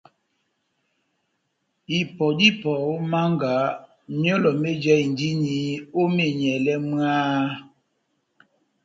Ipɔ dá ipɔ ó mánga, myɔlɔ méjahindini ó menyɛlɛ mwaaaha !